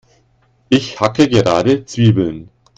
Ich hacke gerade Zwiebeln.